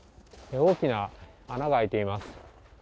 大きな穴が開いています。